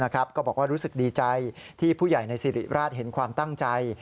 ก็บอกว่ารู้สึกดีใจที่ผู้ใหญ่ในสิริราชเห็นความตั้งใจ